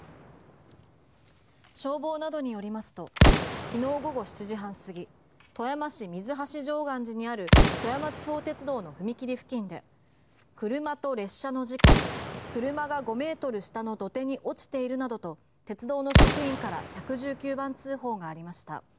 消防などによりますときのう午後７時半すぎ富山市水橋常願寺にある富山地方鉄道の踏切付近で車と列車の自己車が５ｍ下の土手に落ちているなどと鉄道の職員から１１９番通報がありました。